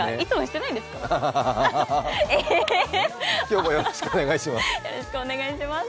アハハ今日もよろしくお願いします。